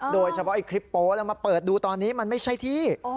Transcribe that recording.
โดยเฉพาะไอ้คลิปโป๊แล้วมาเปิดดูตอนนี้มันไม่ใช่ที่